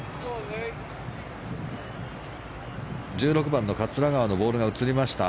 １６番の桂川のボールが映りました。